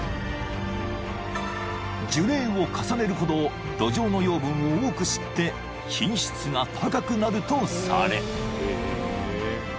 ［樹齢を重ねるほど土壌の養分を多く吸って品質が高くなるとされ］